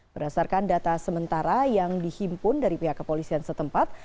berdasarkan data sementara yang dihimpun dari pihak kepolisian setempat